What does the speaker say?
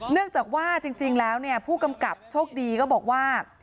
เนื่องจากว่าจริงแล้วเนี่ยผู้กำกับโชคดีก็บอกว่า